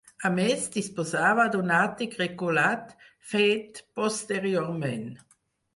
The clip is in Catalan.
A més, disposava d'un àtic reculat, fet posteriorment.